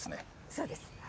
そうですね。